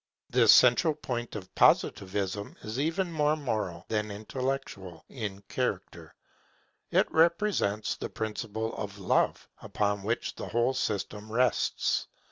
This central point of Positivism is even more moral than intellectual in character: it represents the principle of Love upon which the whole system rests.